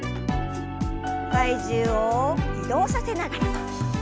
体重を移動させながら。